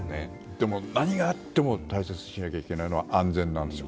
でも、何があっても大切にしないといけないのは安全なんですよ。